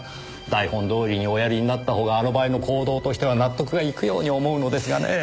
台本通りにおやりになった方があの場合の行動としては納得がいくように思うのですがねぇ。